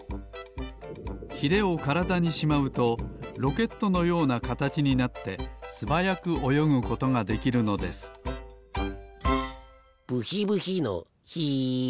ヒレをからだにしまうとロケットのようなかたちになってすばやくおよぐことができるのですブヒブヒのヒ。